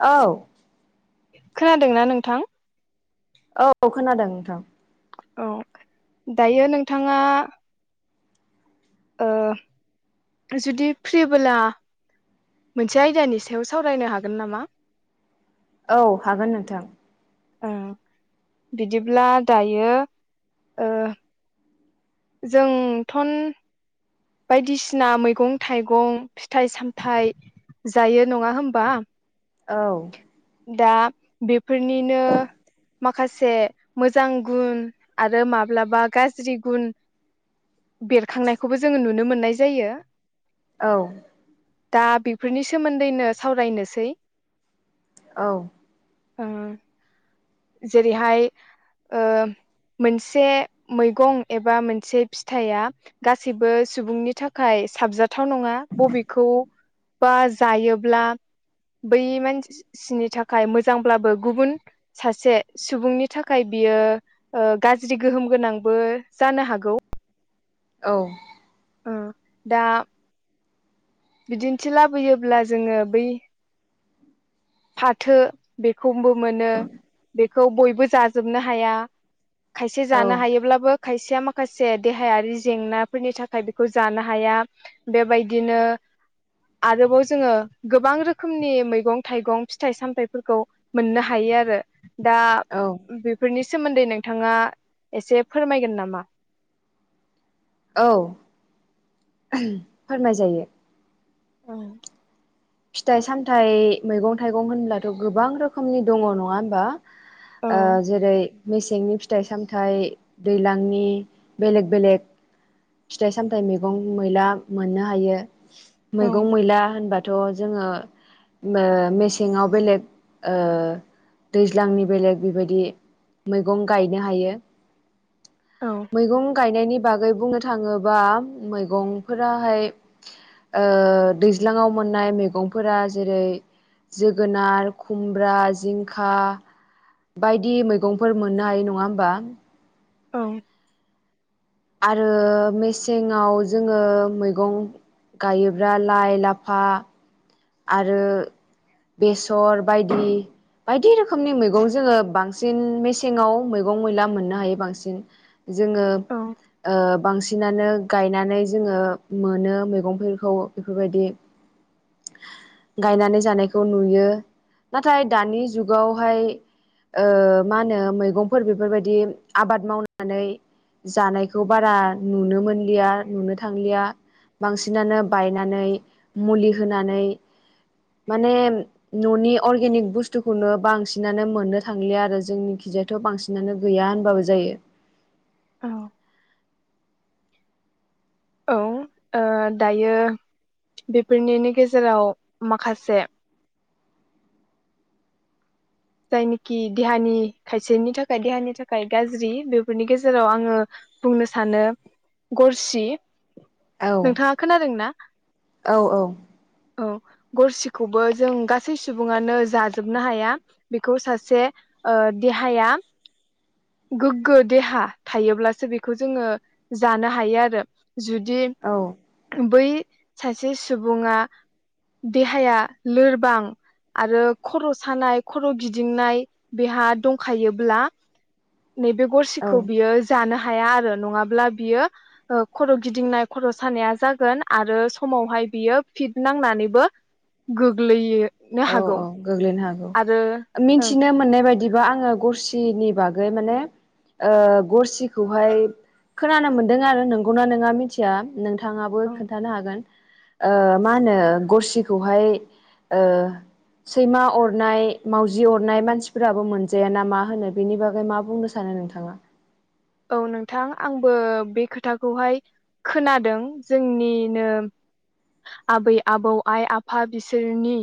औ खोनादोंना नोंथां? औ खोनादों नोंथां औ दायो नोंथाङा ओ जुदि फ्रिबोला मोनसे आयदानि सायाव सावरायनो हागोन नामा? औ हागोन नोंथां। ओ बिदिब्ला दायो ओ जोंथन बायदिसिना मैगं थाइगं फिथाइ सामथाइ जायो नङा होमबा औ दा बेफोरनिनो माखासे मोजां गुन आरो माब्लाबा गाज्रि गुन बेरखांनायखौबो जोङो नुनो मोननाय जायो। औ दा बेफोरनि सोमोन्दैनो सावरायनोसै औ ओ जेरैहाय ओ मोनसे मैगं एबा मोनसे फिथाइया गासैबो सुबुंनि थाखाय ए साबजाथाव नङा बबेखौ बा जायोब्ला बै मान सि-सि नि थाखाय मोजांब्लाबो गुबुन सासे सुबुंनि थाखाय बियो ओ ओ गाज्रि गोहोम गोनांबो जानो हागौ। औ ओ दा बिदिन्थि लाबोयोब्ला जोङो बै फाथो बेखौबो मोनो बेखौ बयबो जाजोबनो हाया खायसे औ जानो हायोब्लाबो खायसेया माखासे देहायारि जेंनाफोरनि थाखाय बेखौ जानो हाया बेबायदिनो [inaudible] आरोबाव जोङो गोबां रोखोमनि मैगं थाइगं फिथाइ सामथाइफोरखौ मोननो हायो आरो। दा औ बेफोरनिस सोमोन्दै नोंथाङा एसे फोरमायगोन नामा? औ उम फोरमाय जायो। औ फिथाइ सामथाइ मैगं थाइगं होनब्लाथ' गोबां रोखोमनि दङ नङा होमबा? औ ओ जेरै मेसेंनि फिथाइ सामथाइ दैलांनि बेलेग बेलेग फिथाइ सामथाइ मैगं मैला मोननो हायो औ मैगं मैला होनबाथ थ' जोङो मो मेसेङाव बेलेग ओ दैज्लांनि बेलेग बिबायदि मैगं गायनो हायो औ मैगं गायनायनि बागै बुंनो थाङोबा मैगंफोराहाय ओ दैज्लांआव मोननाय मैगंफोरा जेरै जोगोनार खुमब्रा जिंखा बायदि मैगंफोर मोननो हायो नङा होमबा? औ आरो मेसेंआव जोङो मैगं गायोब्रा लाइ लाफा आरो बेसर बायदि बायदि रोखोमनि मैगं जोङो बांसिन मेसेङाव मैगं मैला मोननो हायो बांसिन जोङो औ ओ बांसिनानो गायनानै जोङो मोनो मैगंफोरखौ बेफोरबायदि गायनानै जानायखौ नुयो नाथाय दानि जुगावहाय ओ मा होनो मैगंफोर बेफोरबायदि आबाद मावनानै जानायखौ बारा नुनो मोनलिया नुनो थांलिया बांसिनानो बायनानै मुलि होनानै माने न'नि अर्गेनिक बुस्थुखौनो बांसिनानो मोननो थांलिया आरो जोंनिखि बिजायथ' बांसिनानो गैया होनबाबो जायो। औ औ ओ दायो बेफोरनिनो गेजेराव माखासे जायनिखि देहानि खायसेनि थाखाय देहानि थाखाय गाज्रि बेफोरनि गेजेराव आङो बुंनो सानो गरसि औ नोंथाङा खोनादोंना? औ औ। औ गरसिखौबो जों गासै सुबङानो जाजोबनो हाया बेखौ सासे ओ देहाया गोग्गो देहा थायोब्लासो बेखौ जोङो जानो हायो आरो जुदि औ बै सासे सुबुङा देहाया लोरबां आरो खर' सानाय खर गिदिंनाय बेहा दंखायोब्ला नैबे औ गरसेखौ बियो जानो हा या आरो थ आरो नङाब्ला बियो खर गिदिंनाय खर सानाया जागोन आरो समावहाय बियो फिट नांनानैबो गोग्लैयो। औ औ गोग्लैनो हागौ ओं मिथिनो मोननाय बायदि बिदिबा आङो गरसिनि बागै माने गरसिखौहाय खोनानो मोनदों आरो नोंगौना नोंङा मिथिया नोंथाङाबो औ खोन्थानो हागोन मा होनो गरसिखौहाय ओ सैमा अरनाय मावजि अरनाय मानसिफोराबो मोनजायााना मा होनो बेनि बागै मा बुं नो सानो नोंथाङा। [inaudible] औ नोंथां आंबो बे खोथाखौहाय खोनादों जोंनिनो आबै आबौ आइ आफा बिसोरनि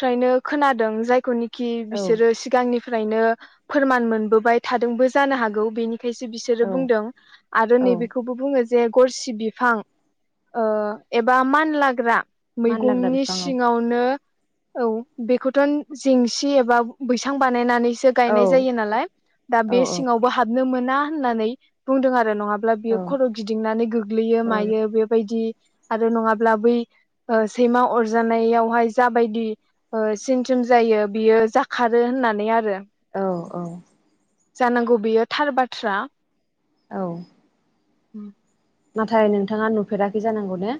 फ्रायनो खोनादों जायखौ कि औ बिसोरो सिगांनिफ्रायनो फोरमान मोनबोबाय थादोंबो जानो हागौ बेनि बेखायसो बिसोरो औ बुंदों आरो औ नैबेखौबो बुङो जे गरसि बिफां ओ एबा मान लाग्रा मानलाग्रा मैगंनि बिफाङाव सिङावनो औ बेखौथ जेंसि एबा बैसां बानायनानै से औ गायनाय जायो नालाय दा बे औ औ सिङावबो हाबनो मोना होननानै बुंदों आरो आरो नङाब्ला बियो औ खर गिदिंनानै गोग्लैयो खर मायो बेबायदि आरो नङाब्ला बै सैमा अरजानायावहाय जाबायदि सिन् जायो बियो जाखारो होननानै आरो औ औ जानांगौ बेयो थार बाथ्रा औ उ नाथाय नोंथाङा नुफेराखै जानांगौ ने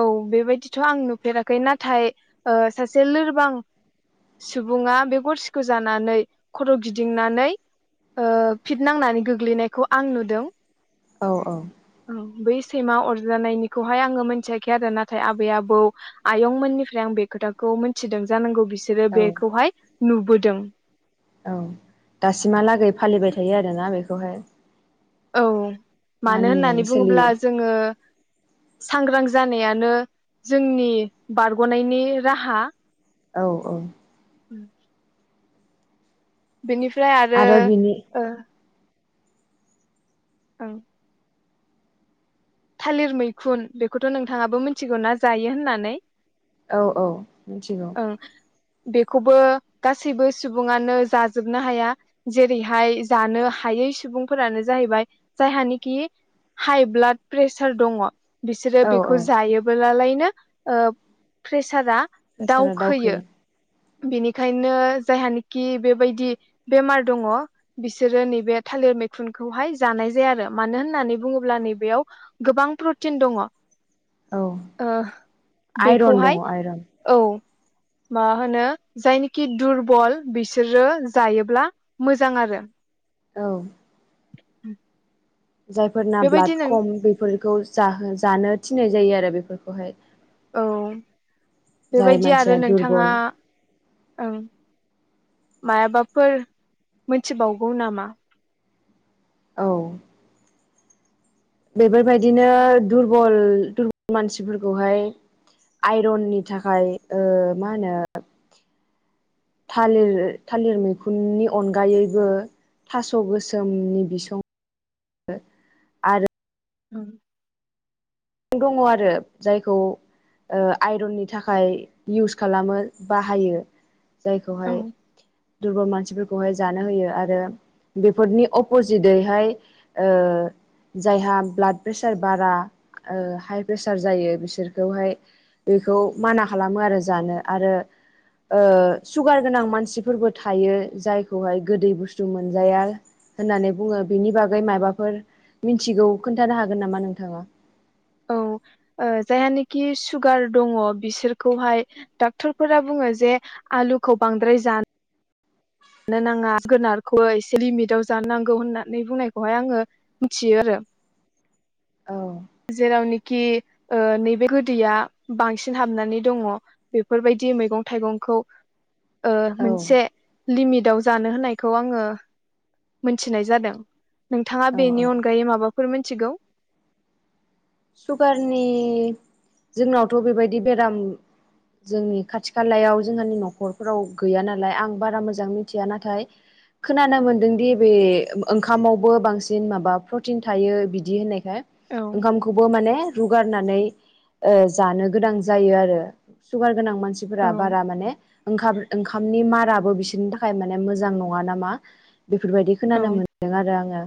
औ बेबायदिथ आं नुफेराखै नाथाय सासे लोरबां सुबुङा बे गरसिख जानानै खर गिदिंनानै फिट नांनानै गोग्लैनायखौ आं नुदों औ औ बै सैमा अरजानायनिखौ बेहाय आङो मि मोनथियाखै आरो नाथाय आबै आबौ आयंमोननिफ्राय आं बे खोथाखौ मोनथिदों जानांगौ बिसोरो औ बेखौहाय नुबोदों औ दासिमहालागै फालिबाय थायो आरोना बेखौहाय औ मानो मानिनानै होननानै सोलियो बुङोब्ला जोङो सांग्रां जानायानो जोंनि बारग'नायनि राहा औ औ उ बिनिफ्राय आरो ओ औ थालिर मैखुन बेखौथ नोंथाङाबो मिथिगौनाा जायो होननानै औ औ मिथिगौ ओं बेखौबो गासैबो सुबुङानो जाजोबनो हाया जेरैहाय जानो हायै सुबुंफोरानो जाहैबाय जायहानिखि हाइ ब्लाड प्रेसार दङ बिसोरो औ औ बेखौ जायोबोलालायनो प्रेसारा प्रेसारा दावखोयो बेनिखायनो जायहानिाखि बेबायदि बेमार दङ बिसोरो नैबे थालिर मैखुनखौहाय जानाय जाया आरो मानो होननानै बुङोब्ला नैबेयाव गोबां प्रटिन दङ औ ओ आइरन दङ बेखौहाय आइरन औ मा होनो जायनिखि दुरबल बिसोरो जायोब्ला मोजां आरो औ [unintelligible] [unintelligible] जायफोरना बेबायदि ब्लाद नों खम बेफोरखौ जाहो जानो थिननाय जायो आरो बेफोरखौहाय औ जाय बेबायदि आरो मानसिया नोंथाङा दुरबल ओम माबाफोर मोनथिबावगौ नामा औ बेफोरबायदिनो दुरबल दुरबल मानसिफोरखौहाय आइरननि थाखाय ओ मा होनो थालिर थालिर मैखुननि अनगायैबो थास' गोसोमनि बिसं आरो ओम! दङ आरो जायखौ ओ आइरननि थाखाय इउस खालामो बाहायो! जायखौहाय औ दुरबल मानसिफोरखौहाय जानो होयो आरो बेफोरनि अपजिदैहाय ओ जायहा ब्लाड प्रेसार बारा! ओ हाइ प्रेसार जायो बिसोरखौहाय बेखौ माना खालामो आरो जानो आरो ओ सुगार गोनां मानसिफोरबो थायो जायखौहाय गोदै बुस्थु मोनजाया! होननानै बुङो बेनि बागै माबाफोर मिथिगौ खोन्थानो हागोन नामा नोंथाङा? औ ओ जायहानिखि सुगार दङ बिसोरखौहाय डक्टरफोरा बुङो जे आलुखौ बांद्राय जानो जानो नाङा जोगोनारखौ एसे लिमिटाव जानो नांगौ होननानै बुंनायखौहाय आङो मिथियो आरो औ जेरावनि खि ओ नैबे गोदैया बांसिन हाबनानै दङ बेफोरबायदि मैगं थाइगं खौ खौ ओ औ मोनसे - लिमिटआव जानो होनायखौ आङो मोनथिनाय जादों! नोंथाङा औ बेनि अनगायै माबाफोर मिथिगौ? सुगारनि जोंनावथ' बेबायदि बेराम जोंनि खाथि खालायाव जोंहानि न'खरफोराव गैया नालाय आं बारा मोजां मिथिया नाथाय खोनानो मोनदोंदि बे ओंखामावबो बांसिन माबा प्रटिन थायो बिदि होननाय औ ओंखामखौ रुगारनानै ओ जानो गोनां जायो आरो सुगार गोनां औ मानसिफोरा बारा माने ओंखाम ओंखामनि माराबो बिसोरनि थाखाय माने मोजां नङा नामा! बेफोरबायदि औ खोनानो मोन्दों आरो आङो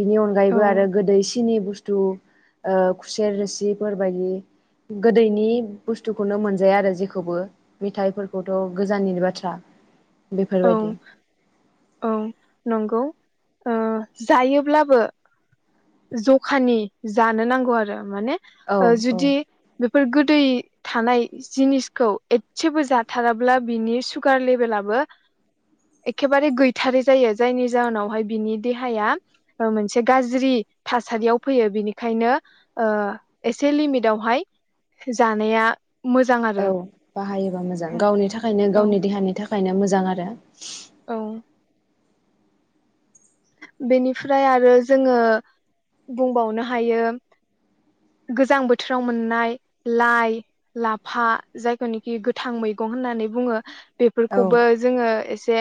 बिनि अनगायैबो औ आरो गोदै सिनि बुस्थु ओ खुसेर रोसिफोरबायदि गोदैनि बुस्थुखौनो मोनजाया आरो जेखौबो मेथाइफोरखौथ' गोजाननिनो बाथ्रा! औ बेफोरबायदि औ नंगौ! ओ जायोब्लाबो जखानि जानो नांगौ आरो माने औ औ जुदि बेफोर गोद दै थानाय जिनिसखौ एसेबो जाथाराब्ला बिनि सुगार लेभेलाबो एखेबारे गैथारै जायो जायनि जाहोनावहाय बिनि देहाया मोनसे गाज्रि थासारियाव फैयो बिनिखायनो ओ एसे लिमिटवाहाय जानाया औ बाहायोबा मोजां गावनि थाखायनो औ गावनि देहानि थाखायनो मोजां आरो औ! बेनिफ्राय आरो जोङो बुंबावनो हायो! गोजां बोथोराव मोननाय लाइ लाफा जायखौनोखि गोथां मैगं औ होननानै बुङो! औ बेफोरखौबो जोङो एसे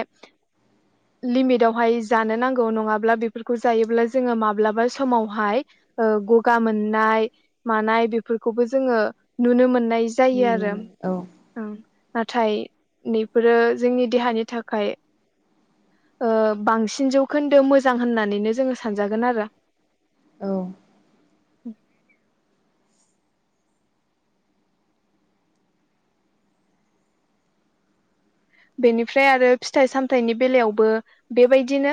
लिमिट आवहाय जानो नांगौ! ओ नङाब्ला बेफोरखौ जायोब्ला जोङो माब्लाबा समावहाय गगा मोननाय - मानाय बेफोरखौबो जोङो नुनो मोननाय जायो नुनो आरो मोनो औ ओं- नाथाय बेफोरो जोंनि देहानि थाखाय- ओ बांसिन जौ खोन्दो मोजां होननानैनो जोङो सानजागोन आरो - [inaudible] बेनिफ्राय आरो फिथाइ सामथायाइनि बेलायावबो बेबायदिनो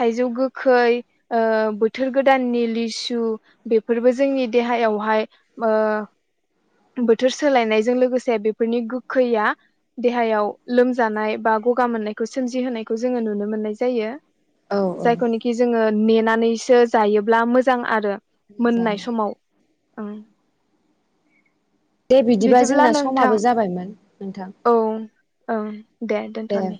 थाइजौ गोखै ओ बोथोर गोदाननि लिसु बेफोरबो जोंनि देहा- देहायावहाय ओ बोथोर सोलायनायजों लोगोसे बेफोरनि गोखैया देहायाव लोमजानाय बा गगा मोननायखौ सोमजिहोनायखौ जोङो नुनो मोननाय जायो। औ औ जायखौनोखि जोङो नेनानैसो जायोब्ला मोजां आरो। मोजां मोननाय समाव ओं। दे बिदिबा बिदिब्ला जोंना नोंथां समाबो जाबायमोन नोंथां औ। औ दे दोनथ'नि।